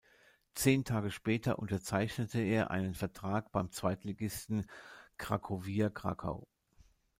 Zehn Tage später unterzeichnete er einen Vertrag beim Zweitligisten Cracovia Krakau.